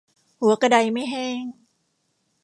หัวกระไดไม่แห้ง